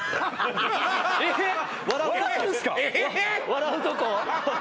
笑うとこ？